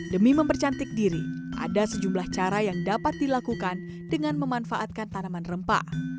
demi mempercantik diri ada sejumlah cara yang dapat dilakukan dengan memanfaatkan tanaman rempah